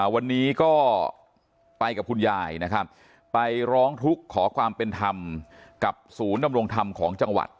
วันนี้ก็ไปกับคุณยายนะครับไปร้องทุกข์ขอความเป็นธรรมกับศูนย์ดำรงธรรมของจังหวัด